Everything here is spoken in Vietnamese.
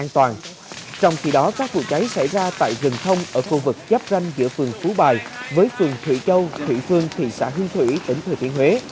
trong khi đó các vụ cháy xảy ra tại rừng thông ở khu vực giáp ranh giữa phường phú bài với phường thủy châu thụy phương thị xã hương thủy tỉnh thừa thiên huế